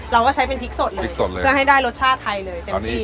เราก็ใช้เป็นพริกสดเลยพริกสดเลยเพื่อให้ได้รสชาติไทยเลยเต็มที่